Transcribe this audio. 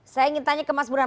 saya ingin tanya ke mas burhan